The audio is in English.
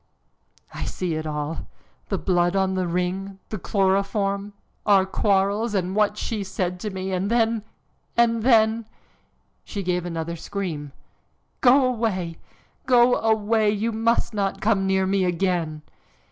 "I see it all the blood on the ring, the chloroform, our quarrels, and what she said to me, and then, and then " She gave another scream. "Go away! go away! You must not come near me again!"